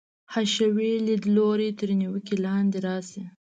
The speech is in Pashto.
حشوي لیدلوری تر نیوکې لاندې راشي.